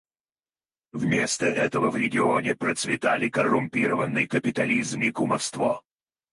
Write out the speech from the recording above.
Вместо этого в регионе процветали коррумпированный капитализм и кумовство.